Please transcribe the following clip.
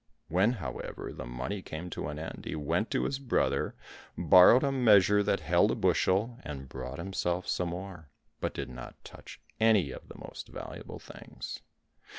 When, however, the money came to an end he went to his brother, borrowed a measure that held a bushel, and brought himself some more, but did not touch any of the most valuable things.